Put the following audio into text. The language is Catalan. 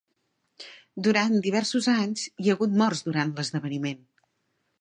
Durant diversos anys hi ha hagut morts durant l'esdeveniment.